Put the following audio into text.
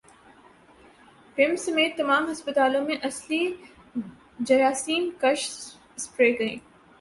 پمز سمیت تمام ھسپتالوں میں اصلی جراثیم کش سپرے کریں